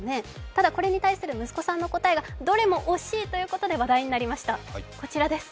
ただ、これに対する息子さんの話題が、どれも惜しいということで話題になりました。